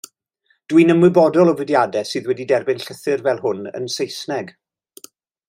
Dwi'n ymwybodol o fudiadau sydd wedi derbyn llythyr fel hwn yn Saesneg.